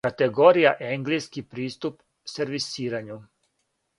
Категорија:Енглески приступ сервисирању